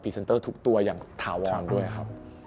เซ็นเตอร์ทุกตัวอย่างถาวรด้วยครับ